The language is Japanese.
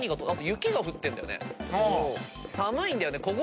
寒いんだよね。